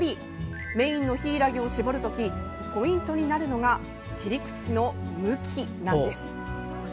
メインのヒイラギを絞る時ポイントになるのが切り口の向きなんです。